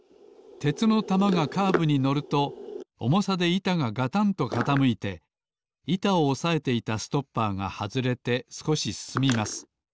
鉄の玉がカーブにのるとおもさでいたががたんとかたむいていたをおさえていたストッパーがはずれてすこしすすみます。